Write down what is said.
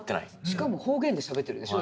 しかも方言でしゃべってるでしょ